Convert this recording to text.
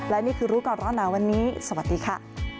และนี่คือรู้ก่อนร้อนหนาวันนี้สวัสดีค่ะ